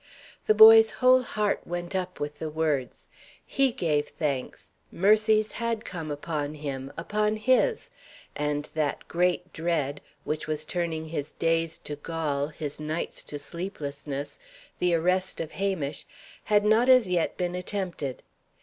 The boy's whole heart went up with the words. He gave thanks: mercies had come upon him upon his; and that great dread which was turning his days to gall, his nights to sleeplessness the arrest of Hamish, had not as yet been attempted.